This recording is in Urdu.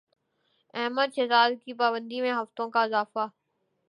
احمد شہزاد کی پابندی میں ہفتوں کا اضافہ